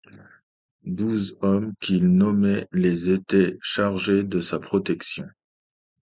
Douze hommes qu'il nommait les étaient chargés de sa protection.